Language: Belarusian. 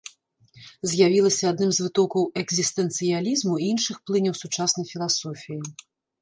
З'явілася адным з вытокаў экзістэнцыялізму і іншых плыняў сучаснай філасофіі.